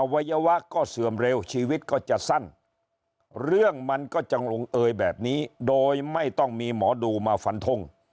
วัยวะก็เสื่อมเร็วชีวิตก็จะสั้นเรื่องมันก็จะลงเอยแบบนี้โดยไม่ต้องมีหมอดูมาฟันทง